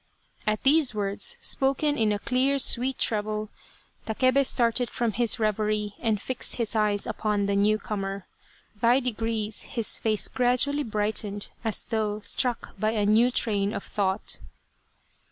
At these words, spoken in a clear, sweet treble, Takebe started from his reverie and fixed his eyes upon the new comer ; by degrees his face gradually brightened as though struck by a new train of thought.